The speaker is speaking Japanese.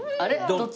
どっち？